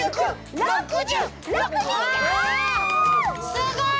すごい！